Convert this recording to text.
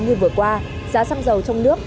như vừa qua giá xăng dầu trong nước